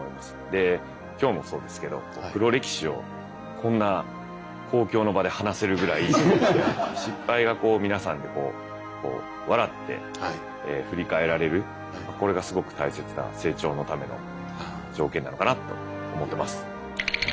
で今日もそうですけど黒歴史をこんな公共の場で話せるぐらい失敗がこう皆さんで笑って振り返られるこれがすごく大切な成長のための条件なのかなと思ってます。